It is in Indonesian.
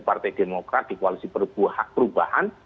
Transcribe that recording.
partai demokrat di koalisi perubahan